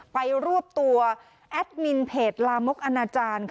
รวบตัวแอดมินเพจลามกอนาจารย์